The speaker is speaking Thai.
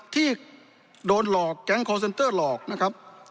ที่โดนหลอกแก๊งคอร์เซ็นเตอร์หลอกนะครับ